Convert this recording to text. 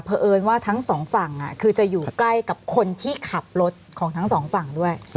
เพราะเอิญว่าทั้งสองฝั่งคือจะอยู่ใกล้กับคนที่ขับรถของทั้งสองฝั่งด้วย